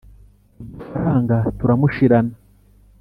udufaranga turamushirana.